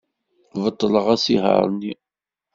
Beṭleɣ asihaṛ-nni.